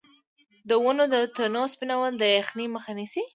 د ونو تنې سپینول د یخنۍ مخه نیسي؟